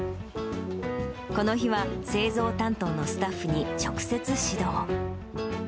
この日は、製造担当のスタッフに直接指導。